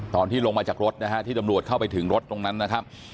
ตอนที่ลงมาจากรถนะฮะที่ตำรวจเข้าไปถึงรถตรงนั้นนะครับ